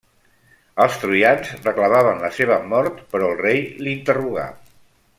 Els troians reclamaven la seva mort, però el rei l'interrogà.